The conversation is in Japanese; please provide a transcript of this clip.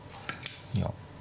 いや。